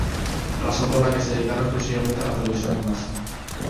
Razón por la que se dedicaron exclusivamente a la producción en masa.